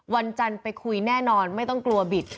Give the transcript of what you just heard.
วันจันทร์ไปคุยแน่นอนไม่ต้องกลัวบิด